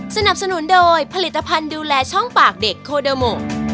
สนับสนุนโดยผลิตภัณฑ์ดูแลช่องปากเด็กโคเดอร์โม